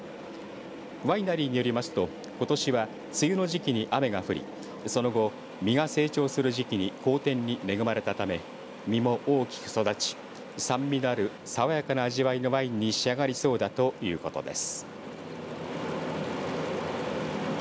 ワイナリーによりますとことしは梅雨の時期に雨が降りその後、実が成長する時期に好天に恵まれたため実も大きく育ち酸味のある爽やかな味わいのワインに仕上がりそうだということです。